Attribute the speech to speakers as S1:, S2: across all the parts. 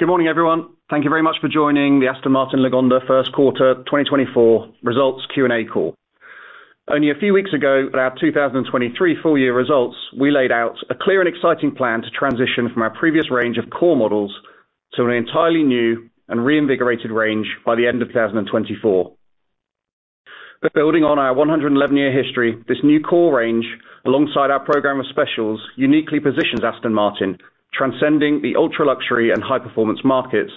S1: Good morning, everyone. Thank you very much for joining the Aston Martin Lagonda First Quarter 2024 Results Q&A Call. Only a few weeks ago, at our 2023 full year results, we laid out a clear and exciting plan to transition from our previous range of core models to an entirely new and reinvigorated range by the end of 2024. But building on our 111-year history, this new core range, alongside our program of specials, uniquely positions Aston Martin, transcending the ultra-luxury and high-performance markets,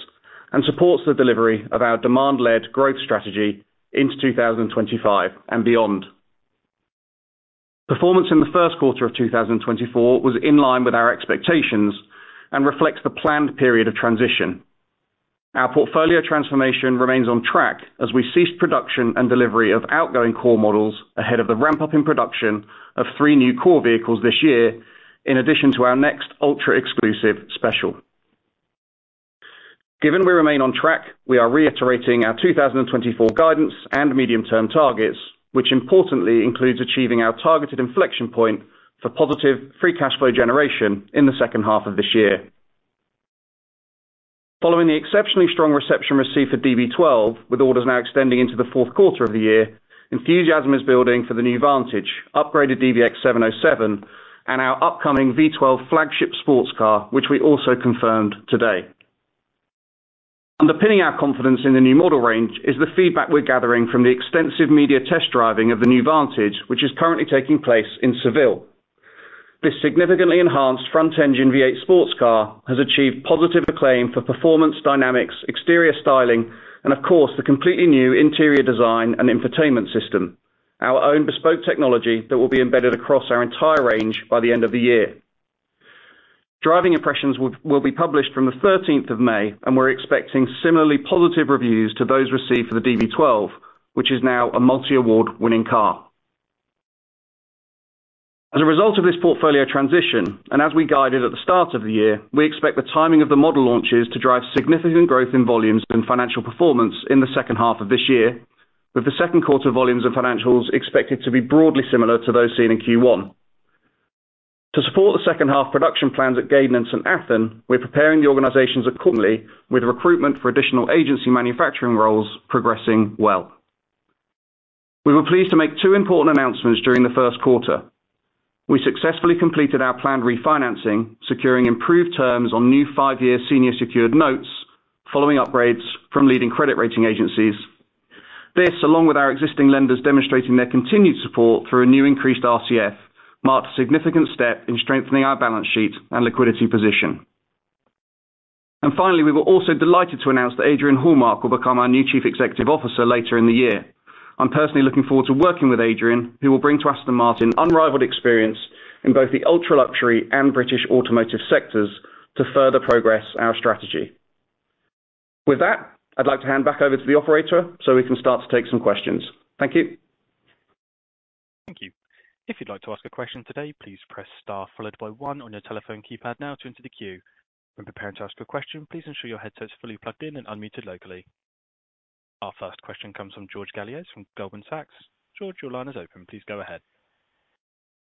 S1: and supports the delivery of our demand-led growth strategy into 2025 and beyond. Performance in the first quarter of 2024 was in line with our expectations and reflects the planned period of transition. Our portfolio transformation remains on track as we cease production and delivery of outgoing core models ahead of the ramp-up in production of three new core vehicles this year, in addition to our next ultra-exclusive special. Given we remain on track, we are reiterating our 2024 guidance and medium-term targets, which importantly includes achieving our targeted inflection point for positive free cash flow generation in the second half of this year. Following the exceptionally strong reception received for DB12, with orders now extending into the fourth quarter of the year, enthusiasm is building for the new Vantage, upgraded DBX707, and our upcoming V12 flagship sports car, which we also confirmed today. Underpinning our confidence in the new model range is the feedback we're gathering from the extensive media test driving of the new Vantage, which is currently taking place in Seville. This significantly enhanced front-engine V8 sports car has achieved positive acclaim for performance dynamics, exterior styling, and of course, the completely new interior design and infotainment system, our own bespoke technology that will be embedded across our entire range by the end of the year. Driving impressions will be published from the thirteenth of May, and we're expecting similarly positive reviews to those received for the DB12, which is now a multi-award-winning car. As a result of this portfolio transition, and as we guided at the start of the year, we expect the timing of the model launches to drive significant growth in volumes and financial performance in the second half of this year, with the second quarter volumes and financials expected to be broadly similar to those seen in Q1. To support the second half production plans at Gaydon and St Athan, we're preparing the organizations accordingly, with recruitment for additional agency manufacturing roles progressing well. We were pleased to make two important announcements during the first quarter. We successfully completed our planned refinancing, securing improved terms on new five-year senior secured notes, following upgrades from leading credit rating agencies. This, along with our existing lenders demonstrating their continued support through a new increased RCF, marked a significant step in strengthening our balance sheet and liquidity position. And finally, we were also delighted to announce that Adrian Hallmark will become our new Chief Executive Officer later in the year. I'm personally looking forward to working with Adrian, who will bring to Aston Martin unrivaled experience in both the ultra-luxury and British automotive sectors to further progress our strategy. With that, I'd like to hand back over to the operator so we can start to take some questions. Thank you.
S2: Thank you. If you'd like to ask a question today, please press star followed by one on your telephone keypad now to enter the queue. When preparing to ask a question, please ensure your headset is fully plugged in and unmuted locally. Our first question comes from George Galliers from Goldman Sachs. George, your line is open. Please go ahead.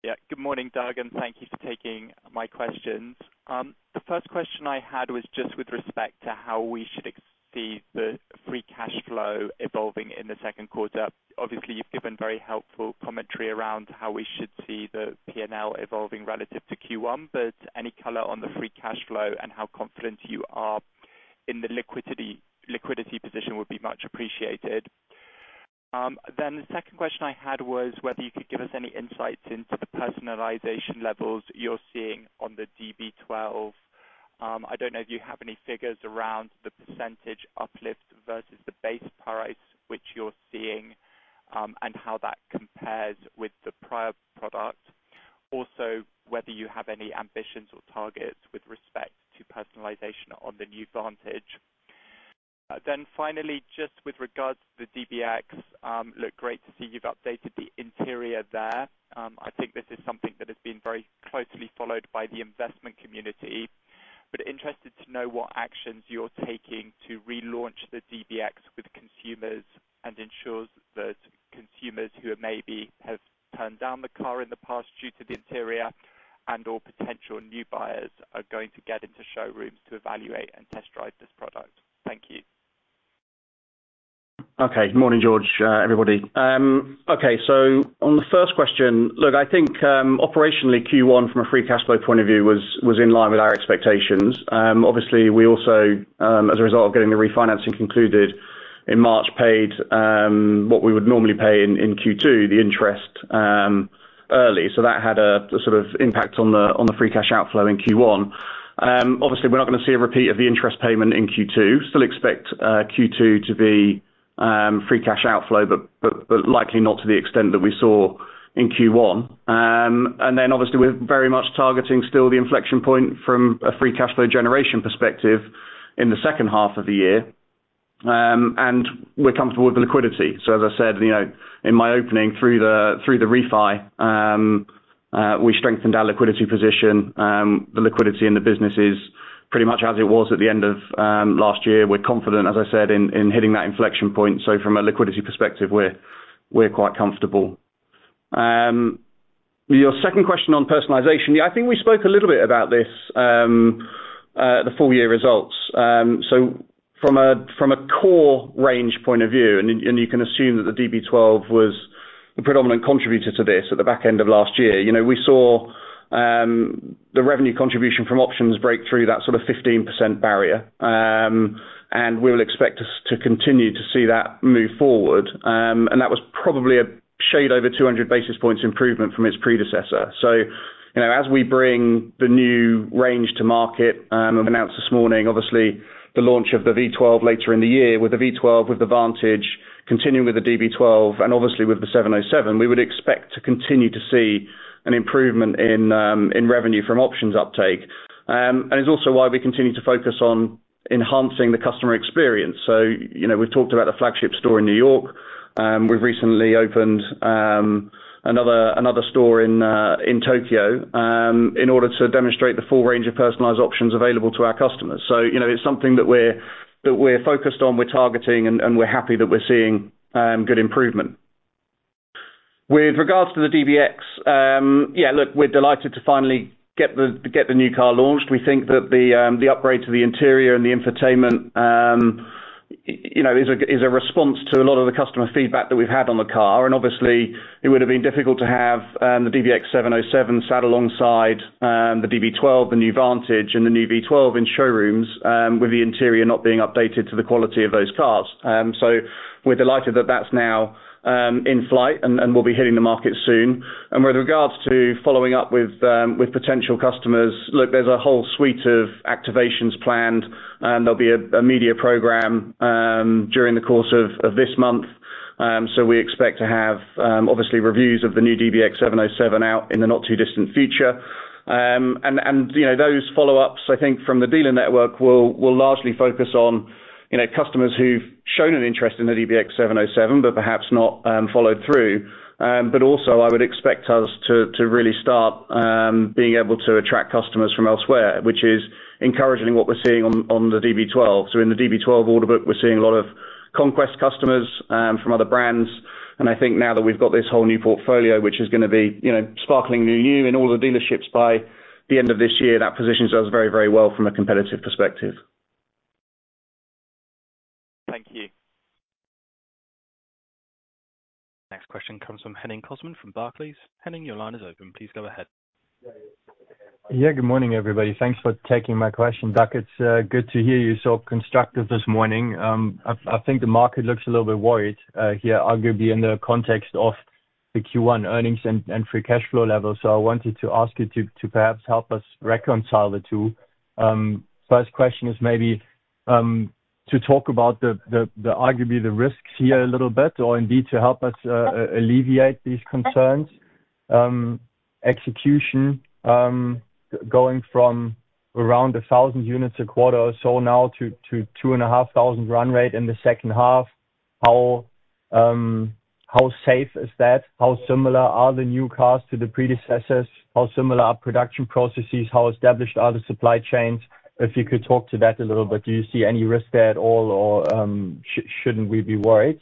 S3: Yeah. Good morning, Doug, and thank you for taking my questions. The first question I had was just with respect to how we should see the free cash flow evolving in the second quarter. Obviously, you've given very helpful commentary around how we should see the P&L evolving relative to Q1, but any color on the free cash flow and how confident you are in the liquidity, liquidity position would be much appreciated. Then the second question I had was whether you could give us any insights into the personalization levels you're seeing on the DB12. I don't know if you have any figures around the percentage uplift versus the base price, which you're seeing, and how that compares with the prior product. Also, whether you have any ambitions or targets with respect to personalization on the new Vantage. Then finally, just with regards to the DBX, look great to see you've updated the interior there. I think this is something that has been very closely followed by the investment community, but interested to know what actions you're taking to relaunch the DBX with consumers and ensures that consumers who maybe have turned down the car in the past due to the interior and/or potential new buyers are going to get into showrooms to evaluate and test drive this product. Thank you.
S1: Okay. Good morning, George, everybody. Okay, so on the first question, look, I think, operationally, Q1, from a free cash flow point of view, was in line with our expectations. Obviously, we also, as a result of getting the refinancing concluded in March, paid what we would normally pay in Q2, the interest early. So that had a sort of impact on the free cash outflow in Q1. Obviously, we're not gonna see a repeat of the interest payment in Q2. Still expect Q2 to be free cash outflow, but likely not to the extent that we saw in Q1. And then obviously, we're very much targeting still the inflection point from a free cash flow generation perspective in the second half of the year. And we're comfortable with the liquidity. So as I said, you know, in my opening, through the refi, we strengthened our liquidity position. The liquidity in the business is pretty much as it was at the end of last year. We're confident, as I said, in hitting that inflection point. So from a liquidity perspective, we're quite comfortable. Your second question on personalization. Yeah, I think we spoke a little bit about this at the full year results. So from a core range point of view, and you can assume that the DB12 was the predominant contributor to this at the back end of last year. You know, we saw the revenue contribution from options break through that sort of 15% barrier. And we will expect us to continue to see that move forward. And that was probably a shade over 200 basis points improvement from its predecessor. So, you know, as we bring the new range to market, and announced this morning, obviously, the launch of the V12 later in the year, with the V12, with the Vantage, continuing with the DB12 and obviously with the 707, we would expect to continue to see an improvement in, in revenue from options uptake. And it's also why we continue to focus on enhancing the customer experience. So, you know, we've talked about the flagship store in New York, we've recently opened, another, another store in, in Tokyo, in order to demonstrate the full range of personalized options available to our customers. So, you know, it's something that we're, that we're focused on, we're targeting, and, and we're happy that we're seeing good improvement. With regards to the DBX, yeah, look, we're delighted to finally get the, get the new car launched. We think that the, the upgrade to the interior and the infotainment, you know, is a, is a response to a lot of the customer feedback that we've had on the car. And obviously, it would have been difficult to have the DBX707 sat alongside, the DB12, the new Vantage and the new V12 in showrooms, with the interior not being updated to the quality of those cars. So we're delighted that that's now in flight and, and will be hitting the market soon. And with regards to following up with potential customers, look, there's a whole suite of activations planned, and there'll be a media program during the course of this month. So we expect to have, obviously, reviews of the new DBX707 out in the not-too-distant future. And, you know, those follow-ups, I think, from the dealer network will largely focus on, you know, customers who've shown an interest in the DBX707, but perhaps not followed through. But also, I would expect us to really start being able to attract customers from elsewhere, which is encouraging what we're seeing on the DB12. So in the DB12 order book, we're seeing a lot of conquest customers from other brands. I think now that we've got this whole new portfolio, which is gonna be, you know, sparkling new too in all the dealerships by the end of this year, that positions us very, very well from a competitive perspective.
S2: Thank you. Next question comes from Henning Cosman, from Barclays. Henning, your line is open. Please go ahead.
S4: Yeah, good morning, everybody. Thanks for taking my question. Doug, it's good to hear you so constructive this morning. I think the market looks a little bit worried here, arguably in the context of the Q1 earnings and free cash flow level. So I wanted to ask you to perhaps help us reconcile the two. First question is maybe to talk about arguably the risks here a little bit, or indeed, to help us alleviate these concerns. Execution, going from around 1,000 units a quarter or so now to 2,500 run rate in the second half. How safe is that? How similar are the new cars to the predecessors? How similar are production processes? How established are the supply chains? If you could talk to that a little bit, do you see any risk there at all, or, shouldn't we be worried?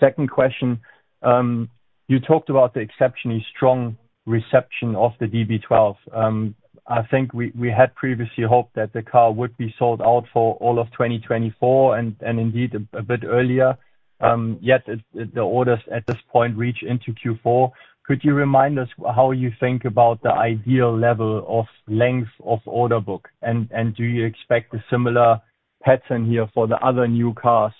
S4: Second question, you talked about the exceptionally strong reception of the DB12. I think we, we had previously hoped that the car would be sold out for all of 2024, and, and indeed, a bit earlier. Yet the orders at this point, reach into Q4. Could you remind us how you think about the ideal level of length of order book? And do you expect a similar pattern here for the other new cars,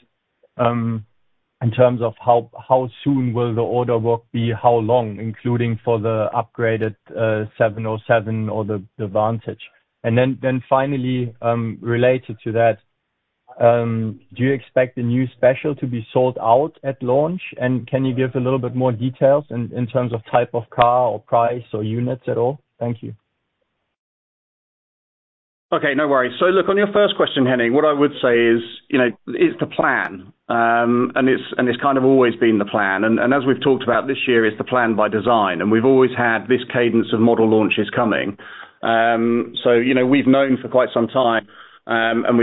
S4: in terms of how soon will the order book be, how long, including for the upgraded 707 or the Vantage? Then finally, related to that, do you expect the new special to be sold out at launch? And can you give a little bit more details in terms of type of car or price or units at all? Thank you.
S1: Okay, no worries. So look, on your first question, Henning, what I would say is, you know, it's the plan, and it's kind of always been the plan. And as we've talked about, this year is the plan by design, and we've always had this cadence of model launches coming. So you know, we've known for quite some time, and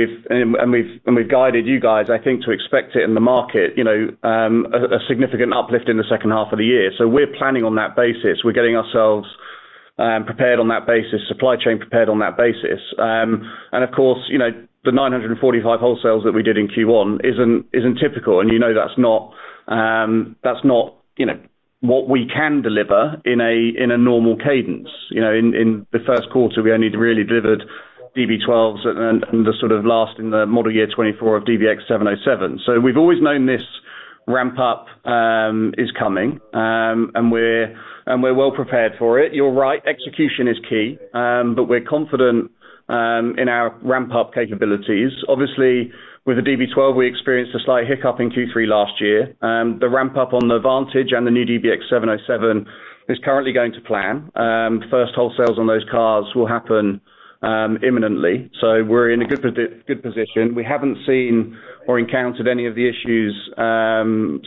S1: we've guided you guys, I think, to expect it in the market, you know, a significant uplift in the second half of the year. So we're planning on that basis. We're getting ourselves prepared on that basis, supply chain prepared on that basis. And of course, you know, the 945 wholesales that we did in Q1 isn't typical, and you know that's not what we can deliver in a normal cadence. You know, in the first quarter, we only really delivered DB12s and the sort of last in the model year 2024 of DBX707. So we've always known this ramp up is coming, and we're well prepared for it. You're right, execution is key, but we're confident in our ramp-up capabilities. Obviously, with the DB12, we experienced a slight hiccup in Q3 last year. The ramp-up on the Vantage and the new DBX707 is currently going to plan. First wholesales on those cars will happen imminently. So we're in a good position. We haven't seen or encountered any of the issues,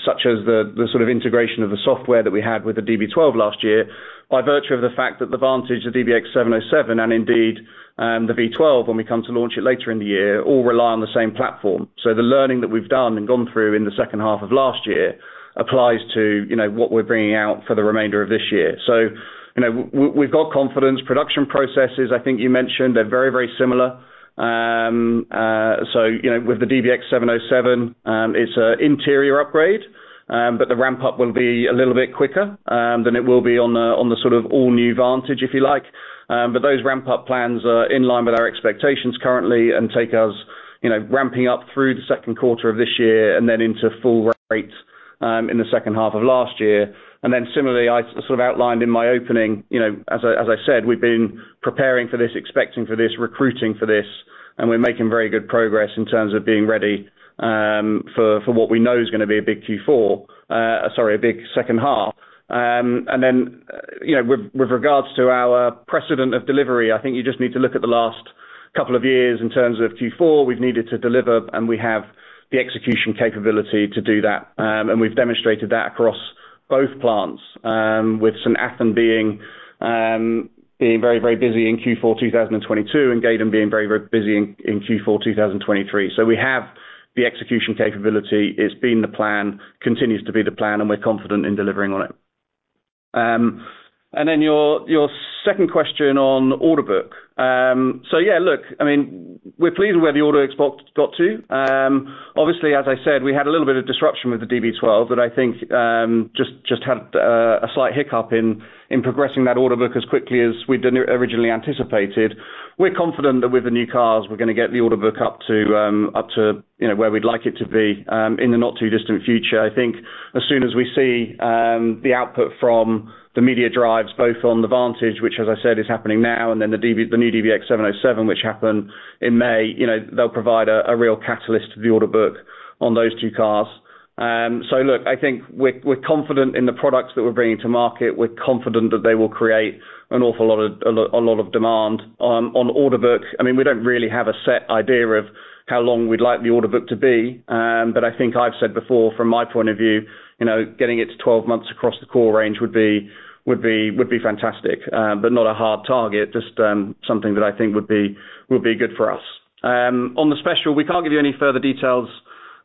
S1: such as the sort of integration of the software that we had with the DB12 last year, by virtue of the fact that the Vantage, the DBX707, and indeed, the V12, when we come to launch it later in the year, all rely on the same platform. So the learning that we've done and gone through in the second half of last year applies to, you know, what we're bringing out for the remainder of this year. So, you know, we've got confidence. Production processes, I think you mentioned, they're very, very similar. So, you know, with the DBX707, it's an interior upgrade, but the ramp up will be a little bit quicker than it will be on the sort of all-new Vantage, if you like. But those ramp up plans are in line with our expectations currently and take us, you know, ramping up through the second quarter of this year and then into full rate in the second half of last year. And then similarly, I sort of outlined in my opening, you know, as I said, we've been preparing for this, expecting for this, recruiting for this, and we're making very good progress in terms of being ready for what we know is gonna be a big Q4, sorry, a big second half. And then, you know, with regards to our precedent of delivery, I think you just need to look at the last couple of years in terms of Q4. We've needed to deliver, and we have the execution capability to do that. And we've demonstrated that across both plants, with St Athan being very, very busy in Q4 2022, and Gaydon being very, very busy in Q4 2023. So we have the execution capability. It's been the plan, continues to be the plan, and we're confident in delivering on it. And then your second question on order book. So yeah, look, I mean, we're pleased with where the order book's got to. Obviously, as I said, we had a little bit of disruption with the DB12, but I think, just had a slight hiccup in progressing that order book as quickly as we'd originally anticipated. We're confident that with the new cars, we're gonna get the order book up to, up to, you know, where we'd like it to be, in the not too distant future. I think as soon as we see the output from the media drives, both on the Vantage, which, as I said, is happening now, and then the new DBX707, which happen in May, you know, they'll provide a real catalyst to the order book on those two cars. So look, I think we're confident in the products that we're bringing to market. We're confident that they will create an awful lot of, a lot, a lot of demand. On, on the order book, I mean, we don't really have a set idea of how long we'd like the order book to be, but I think I've said before, from my point of view, you know, getting it to 12 months across the core range would be, would be, would be fantastic, but not a hard target, just, something that I think would be, would be good for us. On the special, we can't give you any further details,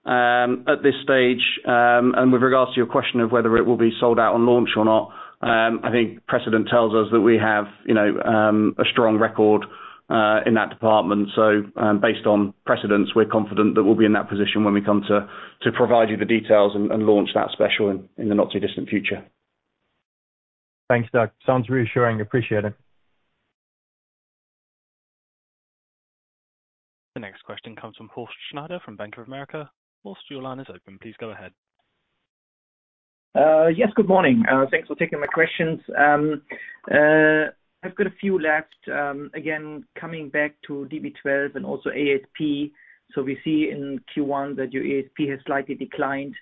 S1: at this stage. And with regards to your question of whether it will be sold out on launch or not, I think precedent tells us that we have, you know, a strong record, in that department. Based on precedence, we're confident that we'll be in that position when we come to provide you the details and launch that special in the not too distant future.
S4: Thanks, Doug. Sounds reassuring. Appreciate it.
S2: The next question comes from Horst Schneider from Bank of America. Horst, your line is open. Please go ahead.
S5: Yes, good morning. Thanks for taking my questions. I've got a few left. Again, coming back to DB12 and also ASP. So we see in Q1 that your ASP has slightly declined.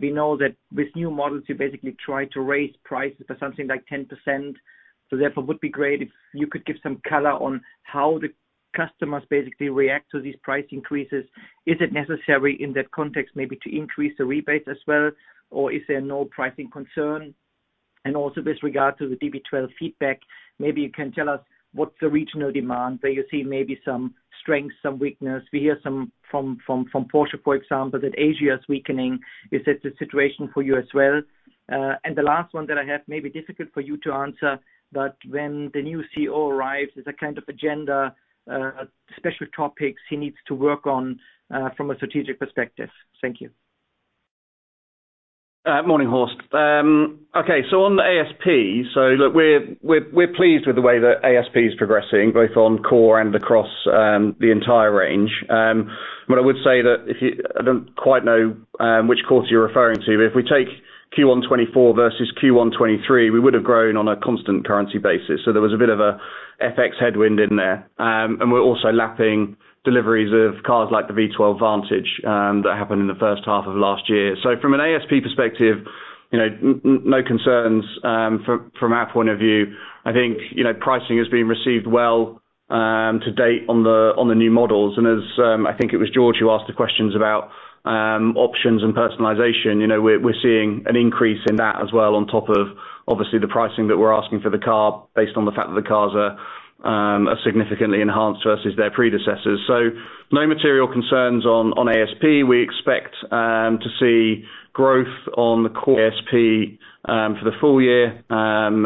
S5: We know that with new models you basically try to raise prices by something like 10%. So therefore, it would be great if you could give some color on how the customers basically react to these price increases. Is it necessary, in that context, maybe to increase the rebates as well, or is there no pricing concern? And also, with regard to the DB12 feedback, maybe you can tell us what's the regional demand, where you see maybe some strength, some weakness. We hear some from Porsche, for example, that Asia is weakening. Is that the situation for you as well? The last one that I have may be difficult for you to answer, but when the new CEO arrives, is there kind of agenda, special topics he needs to work on, from a strategic perspective? Thank you.
S1: Morning, Horst. Okay, so on the ASP, so look, we're pleased with the way the ASP is progressing, both on core and across the entire range. But I would say that if you—I don't quite know which cars you're referring to, but if we take Q1 2024 versus Q1 2023, we would have grown on a constant currency basis, so there was a bit of a FX headwind in there. And we're also lapping deliveries of cars like the V12 Vantage that happened in the first half of last year. So from an ASP perspective, you know, no concerns from our point of view. I think, you know, pricing has been received well to date on the new models. And as I think it was George who asked the questions about options and personalization, you know, we're seeing an increase in that as well, on top of obviously the pricing that we're asking for the car, based on the fact that the cars are significantly enhanced versus their predecessors. So no material concerns on ASP. We expect to see growth on the core ASP for the full year, and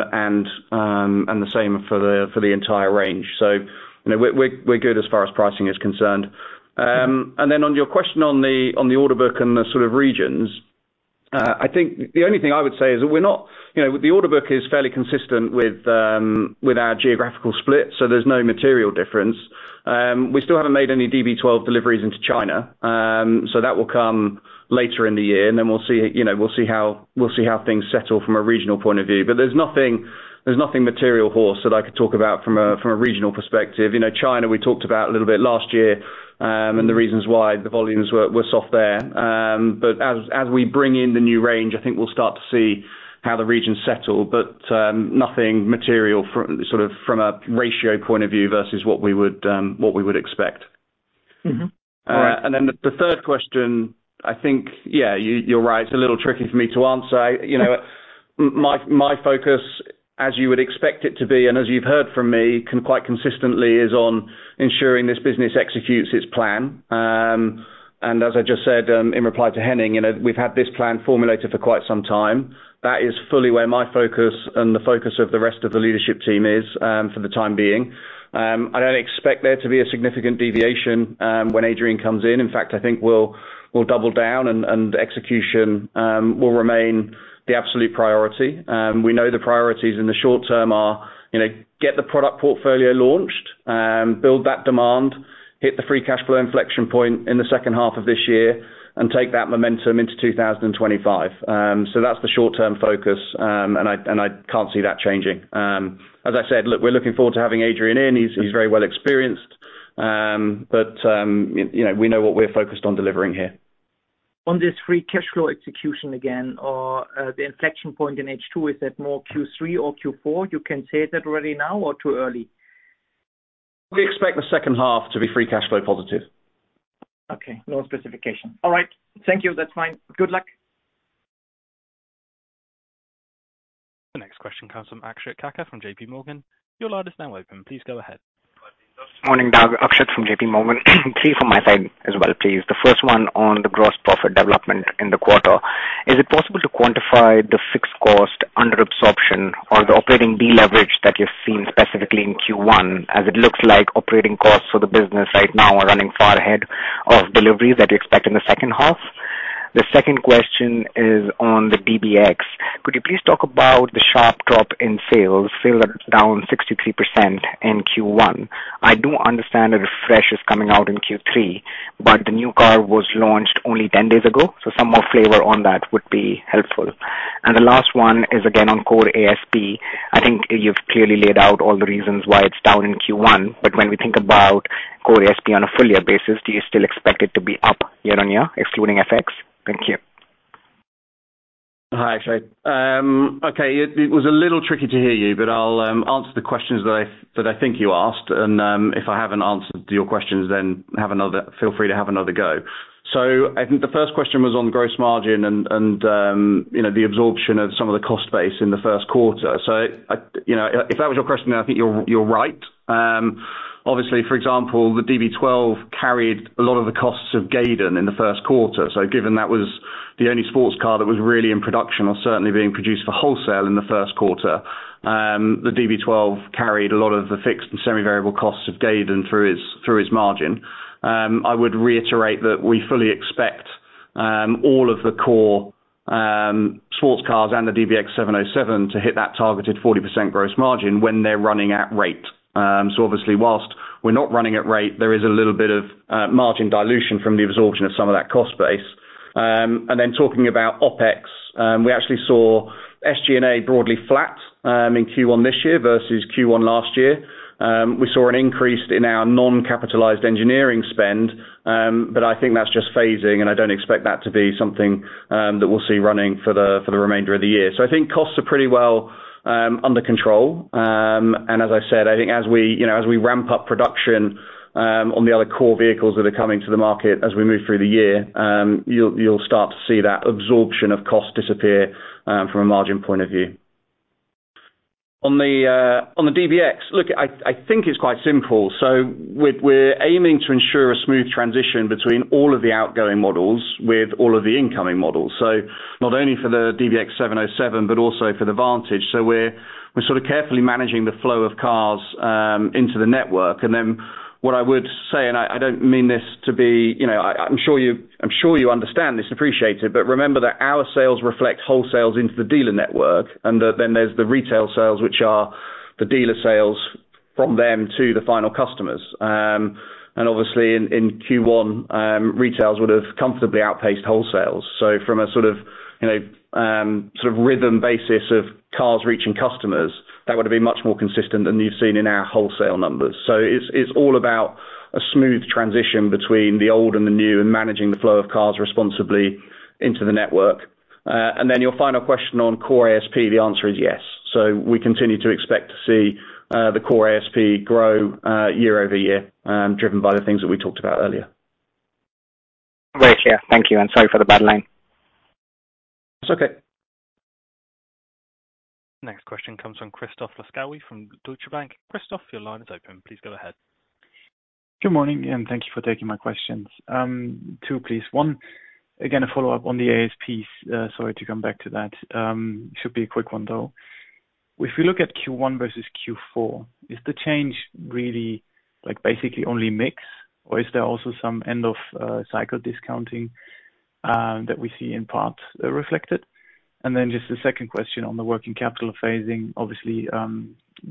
S1: the same for the entire range. So, you know, we're good as far as pricing is concerned. And then on your question on the order book and the sort of regions, I think the only thing I would say is that we're not, you know, the order book is fairly consistent with our geographical split, so there's no material difference. We still haven't made any DB12 deliveries into China, so that will come later in the year, and then we'll see, you know, we'll see how, we'll see how things settle from a regional point of view. But there's nothing, there's nothing material, Horst, that I could talk about from a regional perspective. You know, China, we talked about a little bit last year, and the reasons why the volumes were soft there. But as we bring in the new range, I think we'll start to see how the regions settle, but nothing material from, sort of, a ratio point of view versus what we would expect.
S5: Mm-hmm. All right.
S1: And then the third question, I think, yeah, you're right, it's a little tricky for me to answer. I, you know, my focus, as you would expect it to be, and as you've heard from me, quite consistently, is on ensuring this business executes its plan. And as I just said, in reply to Henning, you know, we've had this plan formulated for quite some time. That is fully where my focus and the focus of the rest of the leadership team is, for the time being. I don't expect there to be a significant deviation, when Adrian comes in. In fact, I think we'll double down and execution will remain the absolute priority. We know the priorities in the short term are, you know, get the product portfolio launched, build that demand, hit the free cash flow inflection point in the second half of this year, and take that momentum into 2025. So that's the short-term focus, and I, and I can't see that changing. As I said, look, we're looking forward to having Adrian in. He's, he's very well experienced. But, you know, we know what we're focused on delivering here.
S5: On this free cash flow execution again, or, the inflection point in H2, is that more Q3 or Q4? You can say that already now or too early?
S1: We expect the second half to be free cash flow positive.
S5: Okay. No specification. All right. Thank you. That's fine. Good luck.
S2: The next question comes from Akshat Kacker, from J.P. Morgan. Your line is now open. Please go ahead.
S6: Morning, Doug. Akshat from J.P. Morgan. Three from my side as well, please. The first one on the gross profit development in the quarter. Is it possible to quantify the fixed cost under absorption or the operating deleverage that you've seen specifically in Q1, as it looks like operating costs for the business right now are running far ahead of deliveries that you expect in the second half? The second question is on the DBX. Could you please talk about the sharp drop in sales, sales are down 63% in Q1. I do understand a refresh is coming out in Q3, but the new car was launched only 10 days ago, so some more flavor on that would be helpful. And the last one is again on core ASP. I think you've clearly laid out all the reasons why it's down in Q1, but when we think about core ASP on a full year basis, do you still expect it to be up year-on-year, excluding FX? Thank you.
S1: Hi, Akshat. Okay, it was a little tricky to hear you, but I'll answer the questions that I think you asked, and if I haven't answered your questions, then have another—feel free to have another go. So I think the first question was on gross margin and you know, the absorption of some of the cost base in the first quarter. So you know, if that was your question, I think you're right. Obviously, for example, the DB12 carried a lot of the costs of Gaydon in the first quarter. So given that was the only sports car that was really in production or certainly being produced for wholesale in the first quarter, the DB12 carried a lot of the fixed and semi-variable costs of Gaydon through its margin. I would reiterate that we fully expect all of the core sports cars and the DBX707 to hit that targeted 40% gross margin when they're running at rate. So obviously, whilst we're not running at rate, there is a little bit of margin dilution from the absorption of some of that cost base. And then talking about OpEx, we actually saw SG&A broadly flat in Q1 this year versus Q1 last year. We saw an increase in our non-capitalized engineering spend, but I think that's just phasing, and I don't expect that to be something that we'll see running for the remainder of the year. So I think costs are pretty well under control. And as I said, I think as we, you know, as we ramp up production on the other core vehicles that are coming to the market, as we move through the year, you'll start to see that absorption of cost disappear from a margin point of view. On the DBX, look, I think it's quite simple. So we're aiming to ensure a smooth transition between all of the outgoing models with all of the incoming models. So not only for the DBX707, but also for the Vantage. So we're sort of carefully managing the flow of cars into the network. And then what I would say, and I don't mean this to be... You know, I'm sure you understand this and appreciate it, but remember that our sales reflect wholesales into the dealer network, and that then there's the retail sales, which are the dealer sales from them to the final customers. And obviously in Q1, retails would have comfortably outpaced wholesales. So from a sort of, you know, sort of rhythm basis of cars reaching customers, that would have been much more consistent than you've seen in our wholesale numbers. So it's all about a smooth transition between the old and the new, and managing the flow of cars responsibly into the network. And then your final question on core ASP, the answer is yes. So we continue to expect to see the core ASP grow year-over-year, driven by the things that we talked about earlier.
S6: Very clear. Thank you, and sorry for the bad line.
S1: It's okay.
S2: Next question comes from Christoph Laskawi, from Deutsche Bank. Christoph, your line is open. Please go ahead.
S7: Good morning, and thank you for taking my questions. Two, please. One, again, a follow-up on the ASPs. Sorry to come back to that. Should be a quick one, though. If you look at Q1 versus Q4, is the change really like, basically only mix, or is there also some end of cycle discounting that we see in part reflected? And then just the second question on the working capital phasing, obviously,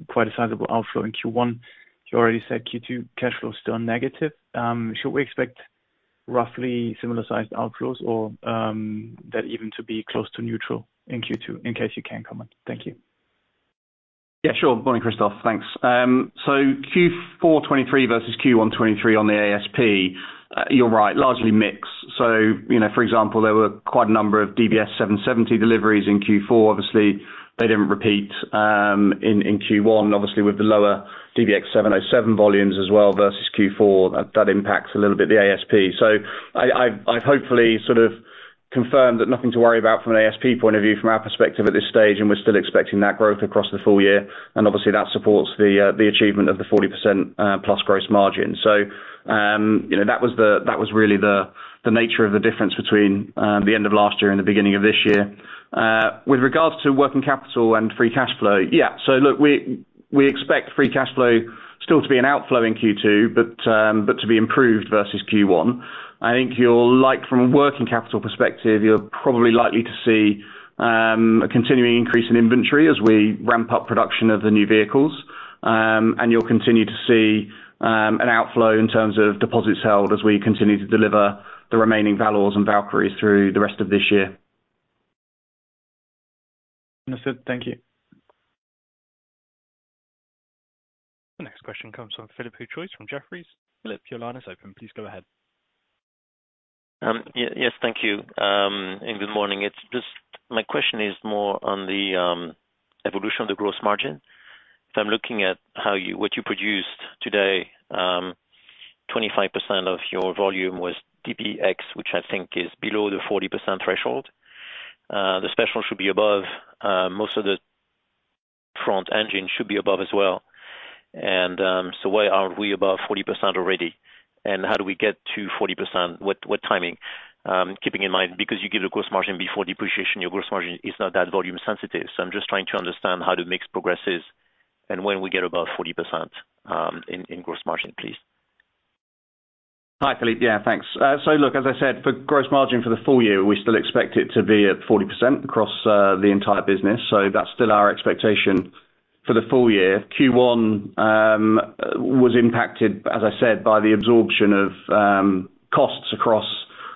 S7: quite a sizable outflow in Q1. You already said Q2, cash flow is still negative. Should we expect roughly similar-sized outflows or that even to be close to neutral in Q2, in case you can comment? Thank you.
S1: Yeah, sure. Morning, Christoph. Thanks. So Q4 2023 versus Q1 2023 on the ASP, you're right, largely mix. So, you know, for example, there were quite a number of DBS 770 deliveries in Q4. Obviously, they didn't repeat in Q1. Obviously, with the lower DBX707 volumes as well versus Q4, that impacts a little bit the ASP. So I've hopefully confirmed that nothing to worry about from an ASP point of view, from our perspective at this stage, and we're still expecting that growth across the full year, and obviously, that supports the achievement of the 40%+ gross margin. So, you know, that was really the nature of the difference between the end of last year and the beginning of this year. With regards to working capital and free cash flow, yeah, so look, we expect free cash flow still to be an outflow in Q2, but to be improved versus Q1. I think you'll, like from a working capital perspective, you're probably likely to see a continuing increase in inventory as we ramp up production of the new vehicles. And you'll continue to see an outflow in terms of deposits held as we continue to deliver the remaining Valours and Valkyries through the rest of this year.
S7: Understood. Thank you.
S2: The next question comes from Philippe Houchois from Jefferies. Philippe, your line is open. Please go ahead.
S8: Yes, thank you, and good morning. It's just—my question is more on the evolution of the gross margin. So I'm looking at how you, what you produced today. Twenty-five percent of your volume was DBX, which I think is below the 40% threshold. The special should be above, most of the front engine should be above as well. And so why aren't we above 40% already? And how do we get to 40%? What, what timing? Keeping in mind, because you give the gross margin before depreciation, your gross margin is not that volume sensitive. So I'm just trying to understand how the mix progresses and when we get above 40%, in gross margin, please.
S1: Hi, Philippe. Yeah, thanks. So look, as I said, for gross margin for the full year, we still expect it to be at 40% across the entire business, so that's still our expectation for the full year. Q1 was impacted, as I said, by the absorption of costs across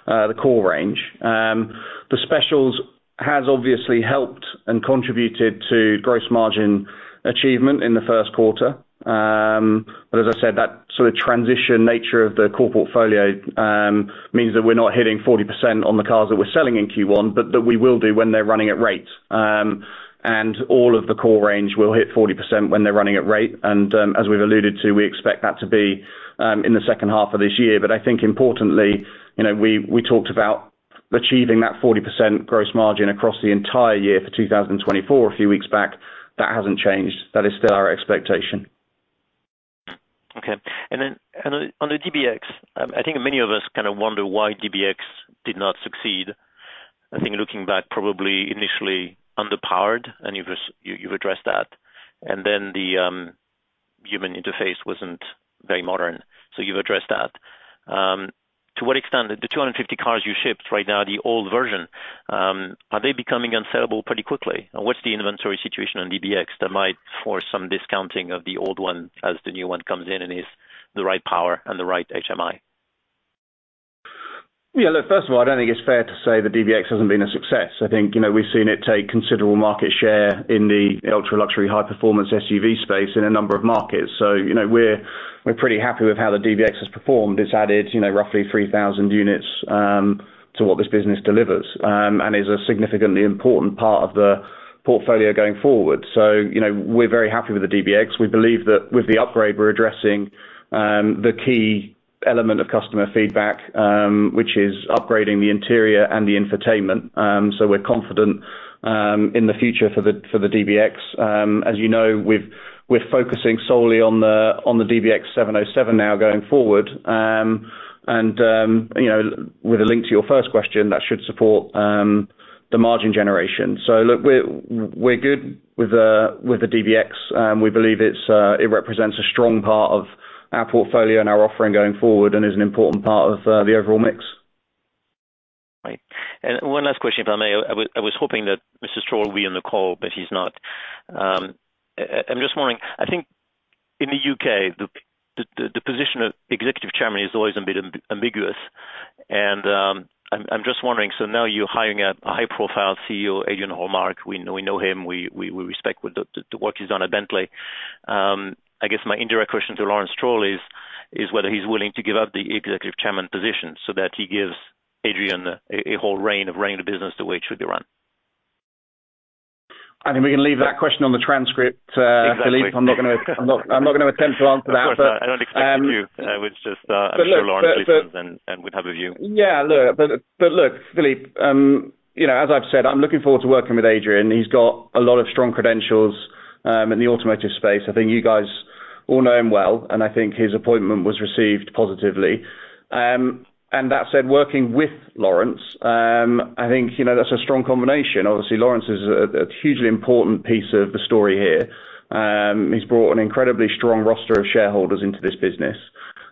S1: the core range. The specials has obviously helped and contributed to gross margin achievement in the first quarter. But as I said, that sort of transition nature of the core portfolio means that we're not hitting 40% on the cars that we're selling in Q1, but that we will do when they're running at rate. And all of the core range will hit 40% when they're running at rate, and as we've alluded to, we expect that to be in the second half of this year. But I think importantly, you know, we talked about achieving that 40% gross margin across the entire year for 2024, a few weeks back. That hasn't changed. That is still our expectation.
S8: Okay. And then, on the DBX, I think many of us kind of wonder why DBX did not succeed. I think looking back, probably initially underpowered, and you've addressed that. And then the human interface wasn't very modern, so you've addressed that. To what extent, the 250 cars you shipped right now, the old version, are they becoming unsellable pretty quickly? And what's the inventory situation on DBX that might force some discounting of the old one as the new one comes in and is the right power and the right HMI?
S1: Yeah, look, first of all, I don't think it's fair to say the DBX hasn't been a success. I think, you know, we've seen it take considerable market share in the ultra-luxury, high-performance SUV space in a number of markets. So, you know, we're pretty happy with how the DBX has performed. It's added, you know, roughly 3,000 units to what this business delivers, and is a significantly important part of the portfolio going forward. So, you know, we're very happy with the DBX. We believe that with the upgrade, we're addressing the key element of customer feedback, which is upgrading the interior and the infotainment. So we're confident in the future for the DBX. As you know, we're focusing solely on the DBX707 now going forward. You know, with a link to your first question, that should support the margin generation. So look, we're good with the DBX, and we believe it represents a strong part of our portfolio and our offering going forward and is an important part of the overall mix.
S8: Right. And one last question, if I may. I was hoping that Mr. Stroll will be on the call, but he's not. I'm just wondering, I think in the U.K., the position of executive chairman is always a bit ambiguous, and I'm just wondering, so now you're hiring a high-profile CEO, Adrian Hallmark. We know him, we respect the work he's done at Bentley. I guess my indirect question to Lawrence Stroll is whether he's willing to give up the executive chairman position so that he gives Adrian a whole rein of running the business the way it should be run?
S1: I think we can leave that question on the transcript.
S8: Exactly.
S1: Philippe. I'm not gonna attempt to answer that.
S8: Of course, I don't expect you to. I was just,
S1: But look-...
S8: I'm sure Lawrence listens and would have a view.
S1: Yeah, look, Philippe, you know, as I've said, I'm looking forward to working with Adrian. He's got a lot of strong credentials in the automotive space. I think you guys all know him well, and I think his appointment was received positively. And that said, working with Lawrence, I think, you know, that's a strong combination. Obviously, Lawrence is a hugely important piece of the story here. He's brought an incredibly strong roster of shareholders into this business,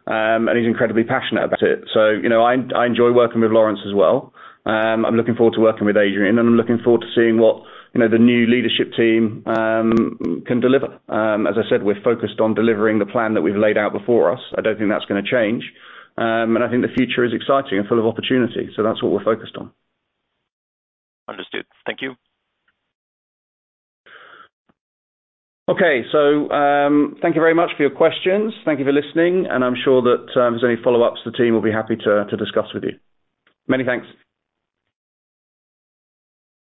S1: and he's incredibly passionate about it. So, you know, I enjoy working with Lawrence as well. I'm looking forward to working with Adrian, and I'm looking forward to seeing what, you know, the new leadership team can deliver. As I said, we're focused on delivering the plan that we've laid out before us. I don't think that's gonna change, and I think the future is exciting and full of opportunity. So that's what we're focused on.
S8: Understood. Thank you.
S1: Okay. So, thank you very much for your questions. Thank you for listening, and I'm sure that, if there's any follow-ups, the team will be happy to discuss with you. Many thanks.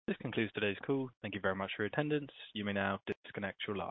S2: This concludes today's call. Thank you very much for your attendance. You may now disconnect your line.